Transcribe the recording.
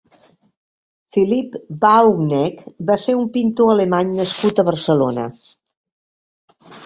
Philipp Bauknecht va ser un pintor alemany nascut a Barcelona.